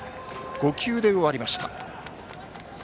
５球で終わりました。